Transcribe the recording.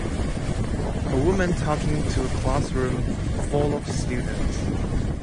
A woman talking to a classroom full of students.